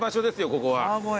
ここは。